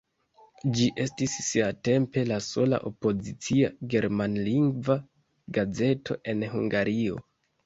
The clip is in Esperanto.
Ĝi estis siatempe la sola opozicia germanlingva gazeto en Hungario.